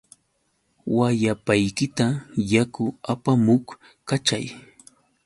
Wayapaykita yaku apamuq kachay.